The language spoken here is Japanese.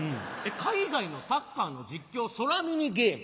「海外のサッカーの実況空耳ゲーム」？